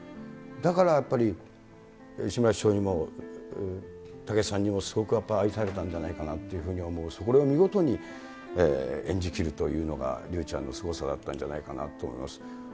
だからやっぱり、志村師匠にも、たけしさんにもすごくやっぱり、愛されたんじゃないかなと思う、それを見事に演じきるというのが竜ちゃんのすごさだったんじゃないかなと思います。